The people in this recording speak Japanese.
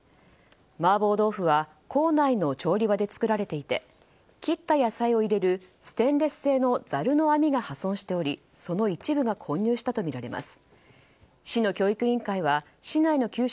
麻婆豆腐は校内の調理場で作られていて切った野菜を入れるステンレス製のざるの網が破損しており、その一部が混入したとみられます。